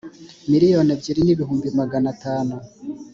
miliyoni ebyiri n ibihumbi magana atanu